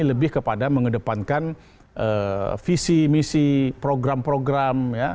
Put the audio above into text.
lebih kepada mengedepankan visi misi program program ya